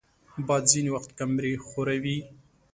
باد ځینې وخت کمرې ښوروي